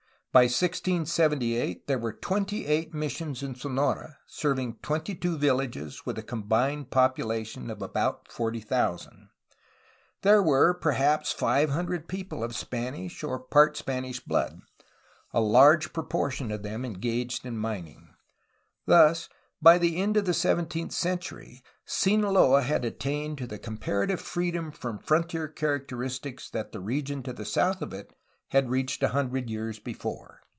By 1678 there were twenty eight missions in Sonora, serving seventy two vil lages with a combined population of about 40,000. There OVERLAND ADVANCE TO THE CALIFORNIA BORDER 157 were perhaps five hundred people of Spanish or part Spanish blood, a large proportion of them engaged in mining. Thus, by the end of the seventeenth century Sinaloa had attained to the comparative freedom from frontier characteristics that the region to the south of it had reached a hundred years before.